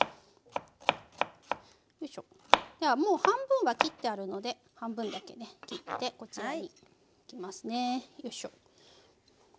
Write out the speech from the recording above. ではもう半分は切ってあるので半分だけね切ってこちらに置きますね。